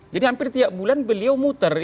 jadi hampir tiap bulan beliau muter